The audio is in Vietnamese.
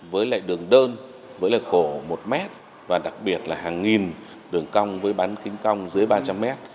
với lại đường đơn với lại khổ một mét và đặc biệt là hàng nghìn đường cong với bắn kính cong dưới ba trăm linh mét